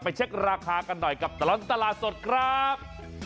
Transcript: เช็คราคากันหน่อยกับตลอดตลาดสดครับ